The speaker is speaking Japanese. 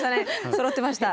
そろってました。